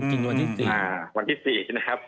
โอ้คือนวันที่๔ใช่ไหมครับ